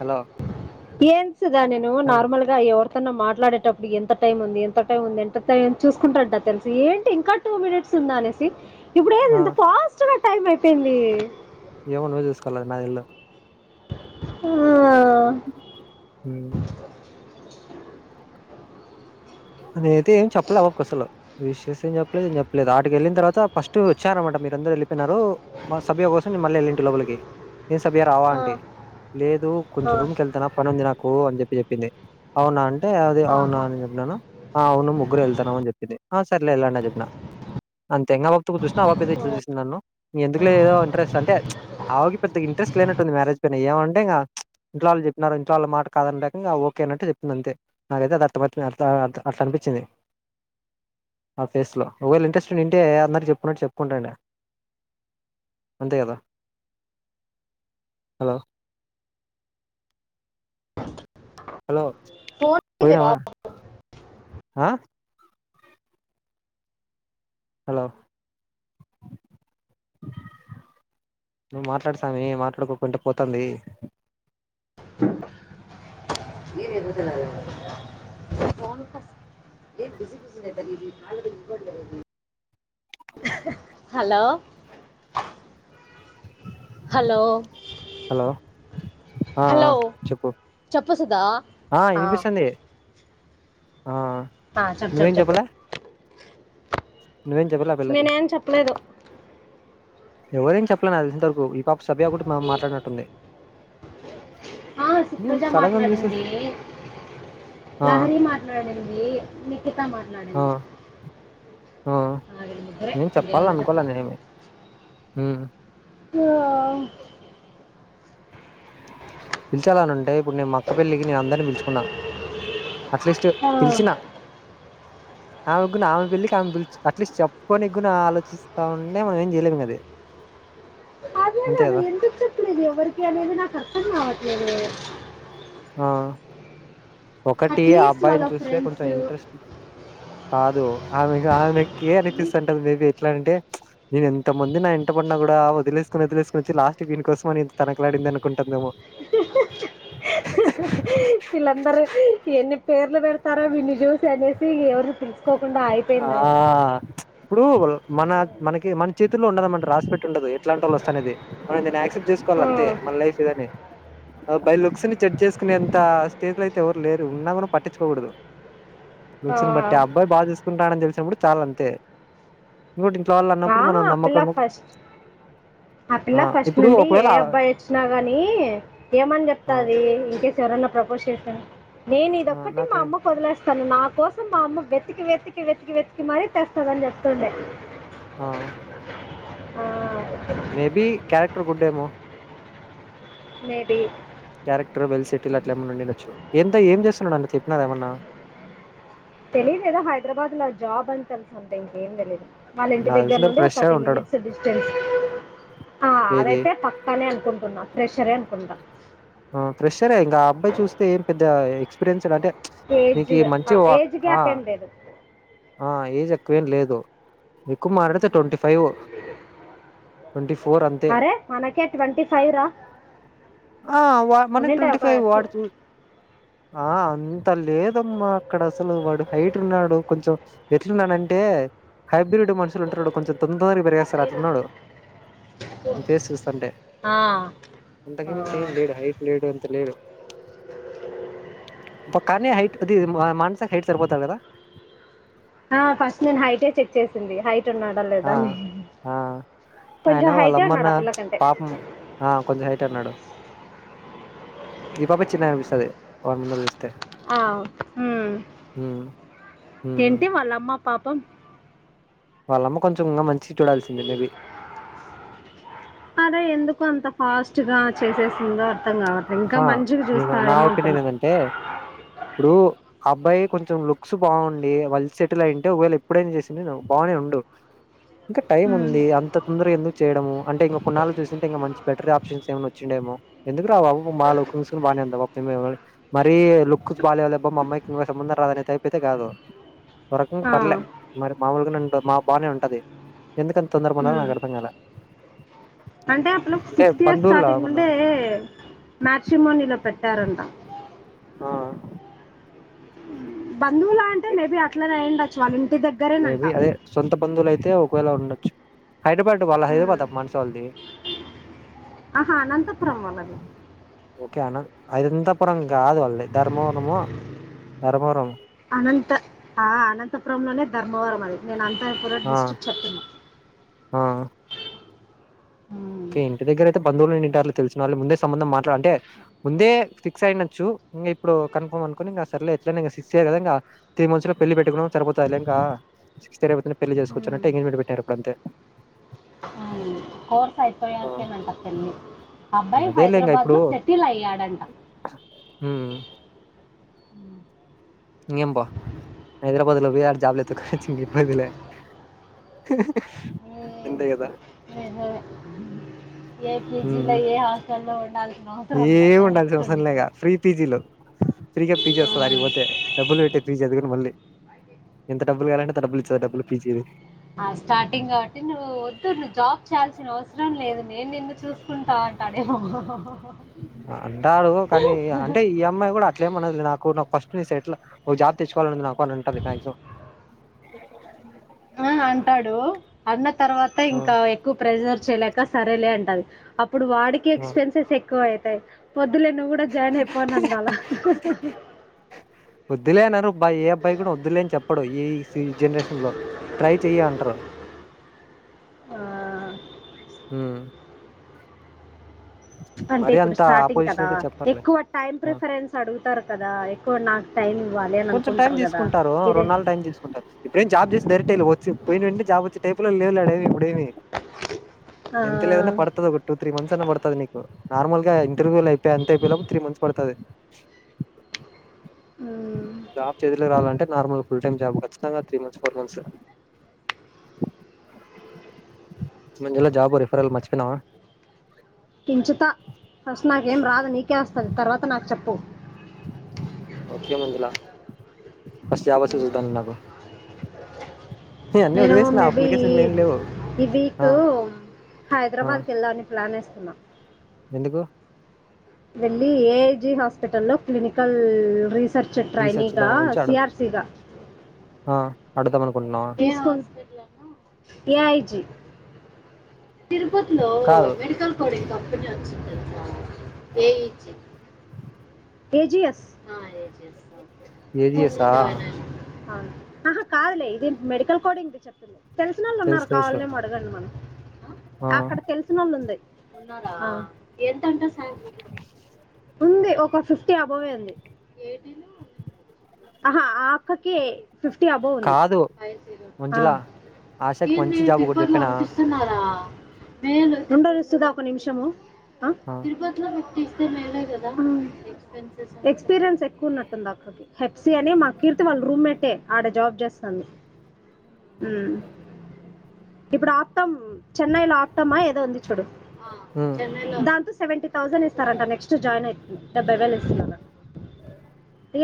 Hello ఎన్స్ గా నేను హలో నార్మల్ గా ఎవరి ఇన మాట్లాడేటప్పుడు ఎంత టైం ఉంది ఎంత టైం ఉంది ఎంత టై చూసుకుంటా తెలుసు ఏంటి ఇంకా టూ మినిట్స్ ఉందా అనేసి ఇప్పుడెంది ఆ ఇంత ఫాస్టుగా టమైపోయింది ఏమో నువుచుసుకోవలది నాకు తెల్వదు ఆ ఆ [inaudible] [inaudible] నేన్ అయితే ఏం చెప్పలేవు ఏవర్ కసలు విషెస్ ఏం చెప్పలేదుం చెప్పలేదు ఆటికి వెళ్ళిన తర్వాత ఫస్ట్ వచ్చారన్నమాట మీరందరు వెళ్ళిపోనారు మా సభ్య కోసం మళ్ళీ వెళ్ళింటి లోపలికి ఏం సభ్య రావా ఆ, అంటే లేదు కొంచెం ఆ, రూమ్ కీ వెళ్తానా పనింది నాకు కు అని చెప్పి చెప్పింది అవునా అంటే అది అవునా ఆహా. అని చెప్పన్నాను ఆ అవును ముగ్గురు వెళ్తానం అని చెప్పింది హ సర్లే ఏళ్ళండి అని చెప్పిన అంతే ఇంగ బీరుగా చూసినా ఆ బీరు చూసింది నన్నుక ఎందుకు లే ఏదో ఇంట్రెస్ట్ అంటే ఆవికి పెద్ద ఇంట్రెస్ట్ లేనట్టుంది మ్యారేజ్ పైన ఏమంటే ఇంక ఇంట్ వాళ్ళు చెప్పినారు ఇంట్ వాళ్ళ మాట కాదనిక ఓకే అంటే చెప్తుంది అంతే నాక అైతే అది అర్థపరితుంది అం అట్లా అనిపించింది ఆ ఫేస్లో ఒకవేళ ఇంట్రెస్ట్ వింటే అందరిక చెప్పున్నట్టు చెప్పుకుంటాండి అంతే కదా హలో [unintelligible] హలో పోయినావా ఆ హలో నువ్వు మాట్లాడుసామీ మాట్లాడుకోకుంటే పోతుంది హలో హలో హలో ఆ ఆ హలో చెప్పు చెప్పు చద ఆ ఆ ఆ చెప్పు చెప్ నువ్వేం చెప్ప చెప్పలే నువ్వేం చెప్పలే ఆ పిల్లకి నేనేం చెప్పలేదు ఎవరైం చెప్పలే అది ఇంతవరకు ఈ పాప ఒక సభ్య కూడాటి మం మాట్లాడినట్టుంది ఆ నేను సుప్రజా సడగం చూసి మాట్లాడింది లహరి మాట్లాడింది ఏ హ హ ఆ, వీళ్ళ ముగ్గురే నేను చెప్పాల ఇంకెవరు అనుకోల చెప్పలా నేనేమి ఆ పిల్చాలన ఉంటాయి ఇప్పుడు నేను మక్క పెళ్ళికి నేను అందరినీ పిలుచుకున్నా అట్లీస్ట్ ఆ, పిలిచిన ఆమెకు ఆమె పెళ్లికి ఆమె పిలి అట్లీస్ట్ చెప్పుకొనిగున ఆలోచిస్తా ఉంటే మనం ఏం చేయలేము కదే అది ఎందుకు చెప్పలేదు ఎవరికి అనేది నాకు అర్ధంకావట్లేదు ఆ ఒకటి ఆ అట్లీస్ట్ వాళ్ళ అబ్బాయిని చూస్తే కొంచెం ఫ్రెండ్స్ ఇంట్రెస్ట్ కాదు ఆమె కాదు కే అనిపిస్తటాది మే బె ఎట్లా అంటే నేను ఎంతమంది నా ఎంట పడిన కూడా వదిలేసుకుని వదిలేసుకుని వచ్చి లాస్ట్ దీనికోసం అని తనకలాడింది అనుకుంటుందేమోము విలందరు ఎన్ని పేర్ ర్లు పెడతారో విన్నీ జుసి అనేసి ఎవరు పిల్ ఆ ఇప్పుడు మన మనకి మన చేత్ తులో ఉండదన మాట రాసిపెట్ ఉండదు ఎట్లాంటోళ్ళు వస్తానేది మనం దాన్ని యాక్సెప్ట్ ఆ, చేసుకోవాలింతే మన లైఫ్ ఇదని బై లుక్స్ ని చెడ్ చేసుకునే ఎంత స్టేజ్ లో అయితే ఎవరు లేరు ఉన్నా కూడా పట్టించుకోకూడదు లుక్స్ ని బట్టి ఆ అబ్బాయి బాచుస్ నా తెలిసినప్పుడు చాల్ అంతే ఇంకోటి ఇంట్లో వాళ్ళు అన్నప్పుడు ఆహా మనం ఆ పిల్ల నమ్మకం ఫస్ట్ ఆ పిల్ల ఫస్ట్ ఇప్పుడు నుండి ఏ ఒకవేళ అబ్బాయి వచ్చినా గాని ఏమని ఆ చెప్తది ఇంకే ఎవరన్నా ప్రపోజ్ చేశా నేను ఆ ఇదొక్కటి మా నాకే అమ్మ వదిలేస్ తను నా కోసం మా అమ్మ వెతికి వెతికి వెతికి వెతికి మరి తెస్తాదని చెప్తుండే ఆ మేబీ క్యారెక్టర్ గుడ్ ఏమో మేబి క్యారెక్టర్ వెల్ సెట్టిల్ అట్లా ఏమన్నా ఉండిండచ్చు ఎంత ఏం చేస్తున్నాడు అంట చెప్పినార ఏమన్నా తెలీదు ఏదో హైదరాబాద్ లో ఆ జాబ్ అని తెలుసంతే ఇంకేం తెలీదు వాళ్ళ ఇంటి నాకు దగ్గర తెలిసినంత వరకు నుండి ఒక ఫ్రెష్ గా థర్టీ ఉంటాడు మినిట్స్ డిస్టెన్స్ ఆ ఏది అదైతే పక్కనే అం అనుకుంటున్నా ఫ్రెషరే అనుకుంటా అ ఫ్రెషరె ఇంగ ఆ అబ్బాయి చూస్తే ఏం పెద్ద ఎక్స్పీరియన్స్డ్ అంటే ఏజ్ నీకి ఈ మంచి ఓ ఏజ్ ఆ గ్యాప్ ఏం లేదు ఆ ఏజ్ క్కువేం లేదు ఎక్కువ మాట్లాడితే ట్వంటీ ఫైవ్ ట్వంటీ ఫోర్ అంతే అరే మనకే ట్వంటీ ఫైవ్ రా ఆ వ మనకి ఉండింటాయి ట్వంటీ ఒక ఫైవ్ టూ వాడ్ చుస్ ఆ అంత లేదమ్మా అక్కడ అసలు వాడు హైట్ ఉన్నాడు కొంచెం ఎట్లున్నాడంటే హైబ్రిడ్ మనుషులు ఉంటరు చూడు కొంచెం తొం కొరి పెరిగేస్తాడు అట్లున్నాడు చేసి చూస్తాంటే అంతకు మించ్ హైట్ లేడు అంత లేడు కనీ హైట్ అది మా మాన్సాకి హైట్ సర్పోతాడు కదా ఆ ఫస్ట్ నేను హైటే చెక్ చేసింది హై ఆ ఆ కొంచెం ఆయన హైటే ఉన్నాడు వాళ్ళమ్మన్న ఆ పిల్లకంటే పాపం ఆ కొంచెం హైట్ ఉన్నాడు ఈ పాపే చిన్నకనిపిస్తాది ఆ ఉమ్ ఉమ్ ఉమ్ ఏంటి వాళ్ళ అమ్మ పాప్ పం వాళ్ళమ్మ కొంచ్ చం ఇంగ మంచిగ్ చూడాల్సింది మేబి అరే ఎందుకు అంత ఫాస్ట్ గా చేసేసింద అర్థం గావట్లే ఇంకా ఆహా మంచిగా నేను నా చూస్తారేమో ఒపీనియన్ అనుకున్నాం ఏందంటే ఇప్పుడు ఆ అబ్బాయి కొంచెం లుక్స్ బాగుండి వాల్ సెటిల్ అయింటే ఒకవేళ ఎప్పుడైనా చేసిండే బాగానే ఉండు ఇంకా టైమ్ హ్మ్ ఉంది అంత తొందరగా ఎందుకు చేయడము అంటే ఇంకా కొన్నాళ్ళు చూసింటే ఇంకా మంచి బెటర్ ఆప్షన్స్ ఏమన్నా వచ్చిండేమో ఎందుకు మా లుకింగ్స్ బానే ఉంది మరీ లుక్స్ బాలేవ్లేబ్బ మా అమ్మాయికి ఇంగో సంబంధం రాదనే టైపయితే కాదు ఒగరకంగ ఆ! పర్లే మరి మామూలుగా మా బాగానే ఉంటది ఎందుకంత తొందర ఉన్న హ్మ్. నాకు అర్థం కల అంటే ఆ పిల్లకి సిక్స్టీ ఇయర్స్ స్టార్టింగ్ నుండే మాట్రీమోనిలో పెట్టారంట ఆ బంధువులా అంటే మేబీ అట్లనే అయి చాల మేబి అదే సొంత బందులయితే తే ఒకవేళ ఉండొచ్చు హైదరాబాద్ వాళ్ళ హ్మ్. హైదరాబాదా మానస వాళ్ళది ఆహా అనంతపురం వాల్లది ఓకే అన ఐంతపురం కాదు వాళ్ళది ధర్మవరము ధర్మవరం అనంత ఆ అనంతపురంలోనే ధర్మవరం అది నేను అ అత్తయపురర్ ఆ డిస్ట్రిక్ట్ చెప్పను ఆ హ్మ్. క ఇంటి దగ్గర అయితే బంధువులు ఉండింటర్లే తెలిసినోళ్లు ముందే సంబంధం మాట్లాడ అంటే ముందే ఫిక్స్ అయినచ్చు ఇంకా ఇప్పుడు కన్ఫర్మ్ అనుకుని ఇంక అసలే ఎట్లాక సిక్స్యర్ కదా ఇం త్రీ మంత్ లో పెళ్లి పెట్టుకువడం సరిపోతా ఇంకా సిక్స్యర్ అయిపోతే పెళ్లి చేసుకోవచ్చు హ్మ్. అన్నట్టు ఎంగేజ్మెంట్ పెట్టినారుప్పుడ అంతే కోన్ ఫయి ఆ పోయాకేనంట పెళ్లి అబ్బాయి అదేలే ఇంగ హైదరాబాద్ ఇప్పుడు లో సెటిల్ అయ్యాడంట ఉమ్ ఇంగేమ్ పో హైదరాబాద్ లో వి ర్ జాబ్లెత్తుకోనొచ్చి ఇబ్బందిలే హ్మ్. అంతే కద నిజమే. ఏ పీజీలో ఉమ్ ఏ హాస్టల్లో ఉండాల్సిన అవసరం లేదు ఏమి డైరెక్ట్ ఉండాల్సినవసరం లేఇగ ఉండిపోతుంది ఫ్రీ పీజీలో ఫ్రీగా పీజీ వస్తది ఆటికి పోతే డబ్బులు పెట్టే ఫీజదుకుని మళ్ళీ ఎంతడబ్బులుగావాలంటే డబ్బులు ఇచ్చ డబులు ఫీజీది ఆ స్టార్టింగ్ గాబట్టి నువ్వు వద్దు నువ్వు జాబ్ చేయాల్సిన అవసరం లేదు నేన్నిన్ను చూసుకుంటా అంటాడేమో అంటాడు కానీ సెట్లా ఒక జాబ్ తెచ్చుకోవాలనుంది నాకు ఆనంటాది మాక్సిమం ఆ అంటాడు అన్న తర్వాత ఆ ఇంకా ఎక్కువ ప్రెజర్ చేయలేక సరేలే అంటది ఇప్పుడు వాడికి ఆ ఎక్స్పెన్సెస్ ఎక్కువ అ ఏ వొ వొద్దులే నువ్వు గూడా జాయిన్ అయిపో అనిండాలా బా ఏ అబ్బాయి గూడా వద్దులే అని చెప్పడు ఏ జనరేషన్ లో ట్రై చెయ అంటారు ఆ, అంటే ఇప్పుడు అంత స్టార్టింగ్ ఆపోజిషన్ కదా అయితే చెప్పర్లే ఎక్కువ టైమ్ ఆ ప్రిఫరెన్స్ అడుగుతారు కదా ఎక్కువ నాకు టైం ఇవ్వాలి అని కొంచెం టైం అనుకుంటారు కదా దీసుకుంటారు ఇదే రోన్నాళ్గు టైం దీసుకుంటారు ఇప్పుడేం జాబ్ చేస్ దరి ట వచ్చి పోయినంటే జాబు వచ్చి టైపు లో లేవులేడేమి ఇప్పుడేమి ఆ, ఎంతలెదన్నా పడుతది ఒక టూ త్రీ మంతస్ అన్నా బపడుతది నీక్ నార్మల్ గా ఇంటర్వ్యూలు అయిపోయి అంత అయిపోయిలోపు త్రీ మంత్స్ పడుతది. మూ జాబ్ చేలుకి రావాలంటే, నార్మల్ ఫుల్ టైమ్ జాబ్ ఖచ్చితంగా త్రీ మంత్స్ ఫోర్ మంత్స్ మధ్యలో జాబ్ రిఫరని మర్చిపోయినావా. కించుత ఫస్ట్ నాకేం రాదు నీకే వస్తాది తర్వాత నాకు చెప్పు ఓకే మంజలా పస్ వాస సధా న నాకు అన్ని నేను వదిలేసిన మేబి అప్లికేషన్లు ఏం లేవు ఈ వీక్ ఆ ఆ హైదరాబాద్ కెల్లమని ప్లాన్ ఉన్నా ఎందుకు వెళ్ళి ఏజి హాస్పిటల్లో క్లినికల్ రీస సర్ చెట్రా రీసెర్చ్ ఇనిగ దాని గురించి అడు సిఅర్సీ గా ఆ అడుతము ఏ ఎయజి తిరుపతిలో కాదు మెడికల్ కోడేజ క పెట్ట్యాడు వెయిచి కేజీఎస్ పూర్ ఏజిఎస్సా జాల ఆహా కాదులే ఇది మెడికల్ కోడింగ్ది చెప్తాలె తెలిసినోళ్ళు తెలుసు ఉన్నారు తెలుసు కావాల్నేమో అడగండి మను ఆ అక్కడ తెలిసినోళ్ళు ఉంది ఉన్నాదా ఎంతంటా సాం ఉంది ఒక అబ్బొయ్ అంది ఆహా ఆ అక్కకే ఫిఫ్టీ అబోవ్ ఉంది కాదు ఆ మంజుల ఆశకి మంచి జాబ్ ఒకటి చెప్పినా మే రెండోరుస్తుందా ఒక నిమిషము అ ఆ తిరుపతిలో తీస్త మేలే కదా ఎక్స్పీరియన్స్ ఎక్కువ ఉన్నట్టుంది, అక్కకి హెప్సీ అని మా కీర్తి వాళ్ళ రూమ్మేటే ఆడ జాబ్ చేస్తాంది. ఇప్పుడు ఆత్తం చెన్నైలో ఆటామా ఏదో ఉంది చూడు ఉమ్ దాంతో సెవంటీ థౌజండ్ ఇస్తారంట నెక్స్ట్ జాయిన్ అయి డబ్బై వేల్‌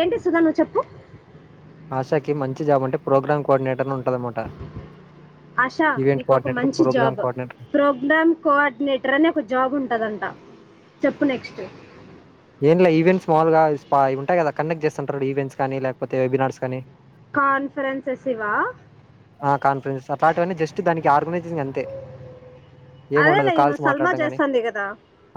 ఏంటి సుధా నువ్వు చెప్పు ఆశాకి మంచి జాబ్ అంటే ప్రోగ్రామ్ కోఆర్డినేటర్ ఉంటుందన్నమాట ఆశా నీకు ఒక మంచి programme job coordinator programme coordinator అనే ఒక జాబ్ ఉంటదంట చెప్పు నెక్స్ట్ ఏంలే ఈవెంట్స్ మాములుగా స్పా ఉంటాయి కద కండక్ట్ చేస్తుంటారు. ఈవెంట్స్ కానీ వెబినార్స్ కానీ కాన్ఫరెన్సెస్ ఇవా కాన్ఫరెన్స్ అట్లాంటివన్నీ జస్ట్ దానికి ఆర్గనైజింగ్ అంతే ఏమిండదు. అదేలే ఈమె కాల్స్ సల్మా మాట్లాడడం కానీ చేస్తుంది కదా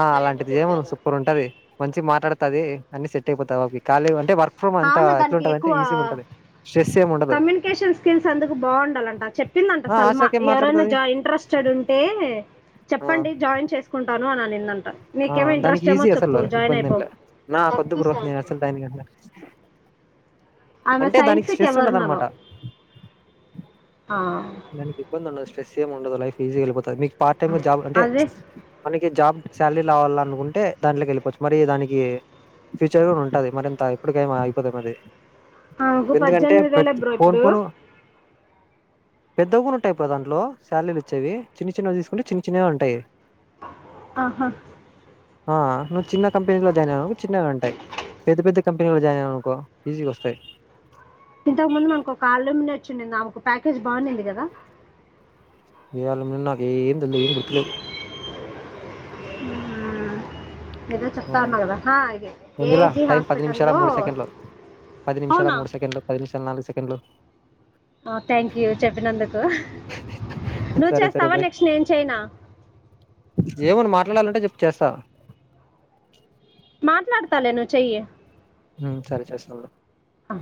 ఆ అలాంటిది ఏమ్ సూపర్ ఉంటది. మంచి మాట్లాడుతది. అన్ని సేట్ తెపోతావు అవి కాలేవ్ అంటే వర్క్ ఫ్రమ్ అంత అవును దానికి ఎట్లాంటుదంటే ఎక్కువ ఈజీగా ఉంటది. షెస్ కమ్యూనికేషన్ స్కిల్స్ అందుకు బాగుండాలంట చెప్పిందంట ఆ సల్మా ఆశాకి ఏం ఎవరైనా మాట్లాడుతది జా ఇంట్రెస్టెడ్ ఉంటే ఆ చెప్పండి. జాయిన్ చేసుకుంటారు. ను నని దంత ఆ దానికి ఈజీ అసలు ఇబ్బంది అయిపో ఏంలే నా కొద్దు బ్రో నేను అసలు దానికి [inaudible] ఆమె అంటే దానికి సైంటిఫిక్ స్ట్రెస్ ఎవర్ననో ఉండదనమాట ఆ దానికి ఇబ్బంది ఉండదు స్ట్రెస్ ఉండదు లైఫ్ వెళపోతది మీకి పార్ట్ టైమ్ జాబ్ అంటే అదే చ్ మనకి ఈ జాబ్ శాల్రీ రావాలి అనుకుంటే దాంట్లోకి వెళ్ళపోవచ్చు మరి దానికి ఫ్యూచర్ కూడా ఉంటది మరింత ఇప్పటికేమి అయిపోదెం అది ఆమేకు ఎందుకంటే పద్దెనిమిది వేల బ్రో ఇప్పుడు పెద్ద కూడా ఉంటాయిప్పుడు దాంట్లో శాల్రీలు ఇచ్చేవి చిన్న చిన్నవి తీసుకుంటే చిన్న చిన్నవే ఉంటాయి. ఆహా ఆ నువ్వు చిన్న కంపెనీ లో జాయిన్ అయినావో చిన్నగా ఉంటాయి. పెద్ద పెద్ద కంపెనీలో జాయినానుకో ఈజీగ వోస్తయి. ఇంతకు ముందు మనకు ఒక ఆల్లు మినేట్ చున్ నాకు ప్యాకేజ్ బాగునెండి కదా ఈయల్ల మీన్ నక్ ఏం తల్ ఏం పుడుతలవ్ హ్మ్ ఊ ఊ ఏదో ఆ చెప్తా అన్నగద ఆ ఇదే ఏ మంజుల జి టైం పది నిమిషాల హాస్పిటల్లో మూడు సెకండ్లు తేల్ నాలుగు సెకండ్లు ఆ థ్యాంక్ యూ చెప్పినందుకు నువ్ సరే సరే చేస్తావా బై నెక్స్ట్ నేన్ చేయనా రుణాలన్టే చెప్ చేస్తా మాట్లాడతాలే నువ్ చెయ్యి మ్ సరే చేస్తా ఉండు ఆ